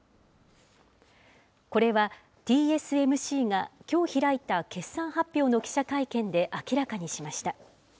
これは、ＴＳＭＣがきょう開いた決算発表の記者会見で明らかにしました。